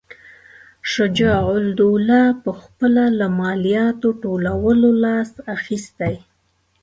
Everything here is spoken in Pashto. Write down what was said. شجاع الدوله پخپله له مالیاتو ټولولو لاس اخیستی.